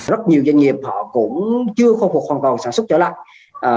rất nhiều doanh nghiệp họ cũng chưa khôi phục hoàn toàn cầu sản xuất trở lại